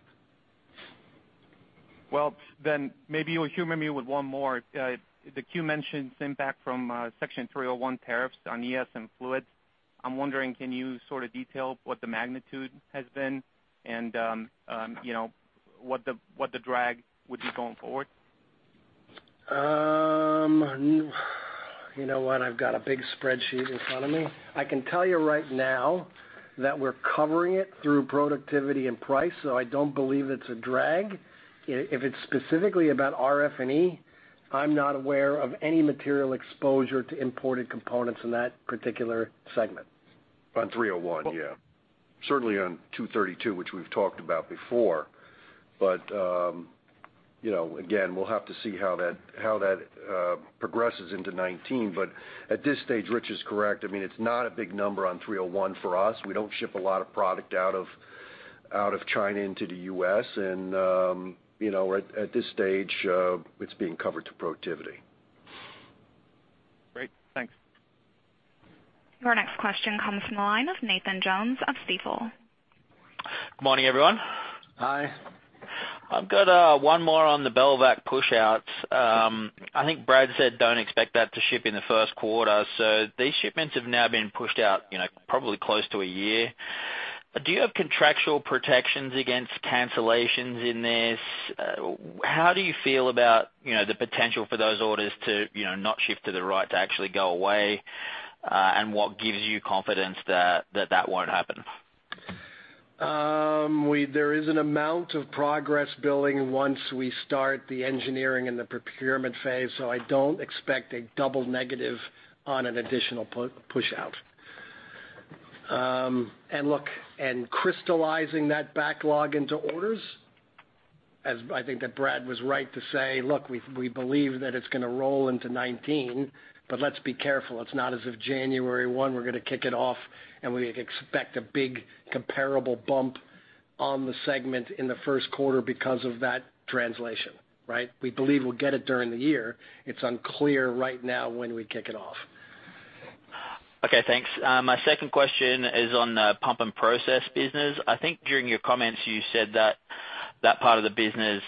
Maybe you'll humor me with one more. The Form 10-K mentions impact from Section 301 tariffs on ES and Fluids. I'm wondering, can you sort of detail what the magnitude has been and what the drag would be going forward? You know what? I've got a big spreadsheet in front of me. I can tell you right now that we're covering it through productivity and price. I don't believe it's a drag. If it's specifically about RF&E, I'm not aware of any material exposure to imported components in that particular segment. On 301, yeah. Certainly on 232, which we've talked about before. Again, we'll have to see how that progresses into 2019. At this stage, Rich is correct. I mean, it's not a big number on 301 for us. We don't ship a lot of product out of China into the U.S. At this stage, it's being covered to productivity. Great. Thanks. Your next question comes from the line of Nathan Jones of Stifel. Good morning, everyone. Hi. I've got one more on the Belvac push-outs. I think Brad said don't expect that to ship in the first quarter. These shipments have now been pushed out probably close to a year. Do you have contractual protections against cancellations in this? How do you feel about the potential for those orders to not ship to outright go away? What gives you confidence that that won't happen? There is an amount of progress billing once we start the engineering and the procurement phase, I don't expect a double negative on an additional push-out. Look, crystallizing that backlog into orders, as I think that Brad was right to say, look, we believe that it's going to roll into 2019, but let's be careful. It's not as if January 1, we're going to kick it off, and we expect a big comparable bump on the segment in the first quarter because of that translation, right? We believe we'll get it during the year. It's unclear right now when we kick it off. Okay, thanks. My second question is on Pumps and Process business. I think during your comments, you said that that part of the business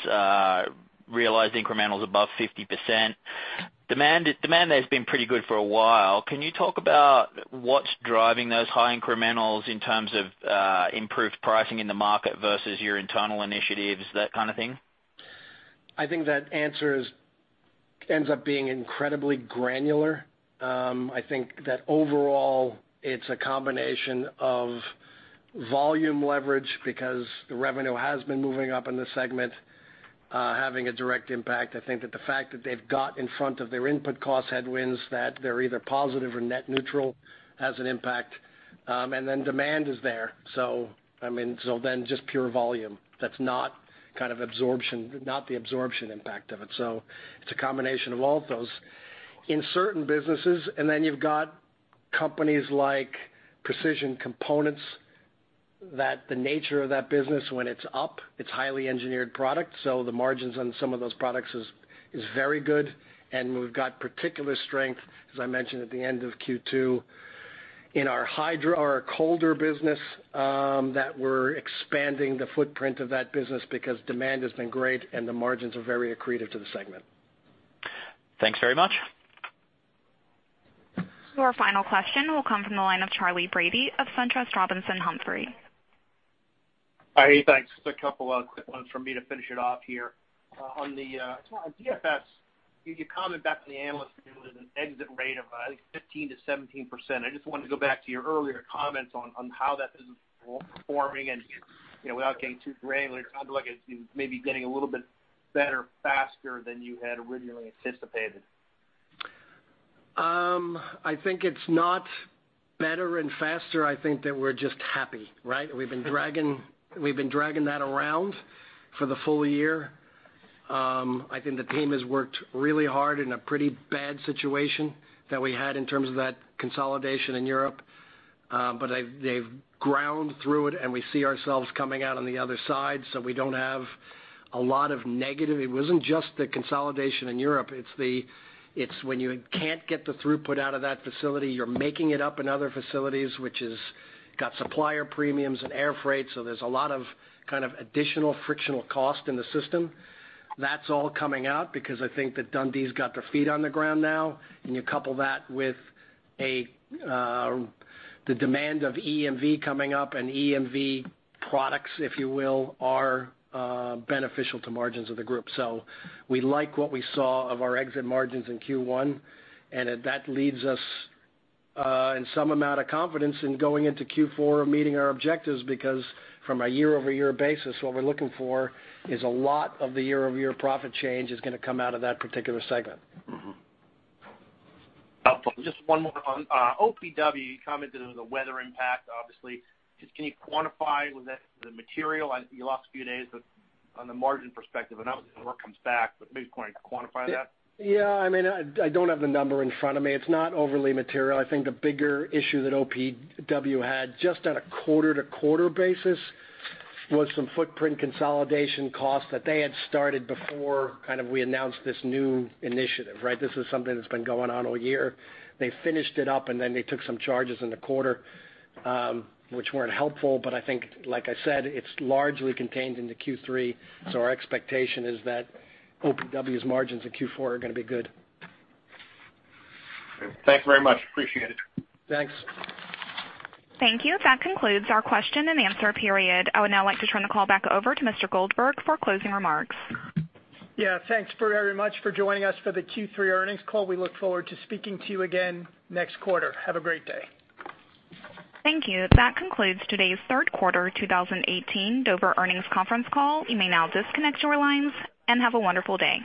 realized incrementals above 50%. Demand there has been pretty good for a while. Can you talk about what's driving those high incrementals in terms of improved pricing in the market versus your internal initiatives, that kind of thing? I think that answer ends up being incredibly granular. I think that overall, it's a combination of volume leverage because the revenue has been moving up in the segment, having a direct impact. I think that the fact that they've got in front of their input cost headwinds, that they're either positive or net neutral has an impact. Demand is there. Just pure volume, that's not the absorption impact of it. It's a combination of all of those. In certain businesses, then you've got companies like Precision Components, that the nature of that business when it's up, it's highly engineered product. The margins on some of those products is very good, and we've got particular strength, as I mentioned at the end of Q2, in our Colder business, that we're expanding the footprint of that business because demand has been great, and the margins are very accretive to the segment. Thanks very much. Your final question will come from the line of Charlie Brady of SunTrust Robinson Humphrey. Hey, thanks. Just a couple of quick ones from me to finish it off here. On DFS, you commented back to the analyst that there was an exit rate of, I think, 15%-17%. I just wanted to go back to your earlier comments on how that business is performing, and without getting too granular, it sounds like it's maybe getting a little bit better faster than you had originally anticipated. I think it's not better and faster. I think that we're just happy, right? We've been dragging that around for the full year. I think the team has worked really hard in a pretty bad situation that we had in terms of that consolidation in Europe. They've ground through it, and we see ourselves coming out on the other side, so we don't have a lot of negative. It wasn't just the consolidation in Europe. It's when you can't get the throughput out of that facility, you're making it up in other facilities, which has got supplier premiums and air freight. There's a lot of kind of additional frictional cost in the system. That's all coming out because I think that Dundee's got their feet on the ground now, and you couple that with the demand of EMV coming up, and EMV products, if you will, are beneficial to margins of the group. We like what we saw of our exit margins in Q1, and that leads us in some amount of confidence in going into Q4 of meeting our objectives because from a year-over-year basis, what we're looking for is a lot of the year-over-year profit change is going to come out of that particular segment. Just one more. On OPW, you commented on the weather impact, obviously. Can you quantify was that the material in the last few days on the margin perspective? I know it comes back, but maybe can you quantify that? I don't have the number in front of me. It's not overly material. I think the bigger issue that OPW had just on a quarter-to-quarter basis was some footprint consolidation costs that they had started before kind of we announced this new initiative, right? This is something that's been going on all year. They finished it up, and then they took some charges in the quarter, which weren't helpful. I think, like I said, it's largely contained into Q3, our expectation is that OPW's margins in Q4 are going to be good. Thank you very much. Appreciate it. Thanks. Thank you. That concludes our question and answer period. I would now like to turn the call back over to Mr. Goldberg for closing remarks. Yeah, thanks very much for joining us for the Q3 earnings call. We look forward to speaking to you again next quarter. Have a great day. Thank you. That concludes today's third quarter 2018 Dover Earnings Conference Call. You may now disconnect your lines, and have a wonderful day.